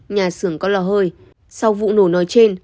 nhà xưởng có lò hơi sau vụ nổ nói trên